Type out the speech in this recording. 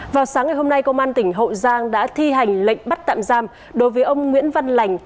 vào sáng ngày hôm nay công an tỉnh hậu giang đã thi hành lệnh bắt tạm giam đối với ông nguyễn văn lành